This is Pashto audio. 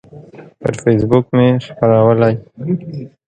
پر فیسبوک مې خپرولی